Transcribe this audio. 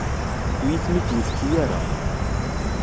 Ur yi-ten-id-yefki ara.